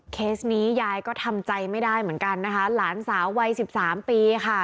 เคสนี้ยายก็ทำใจไม่ได้เหมือนกันนะคะหลานสาววัยสิบสามปีค่ะ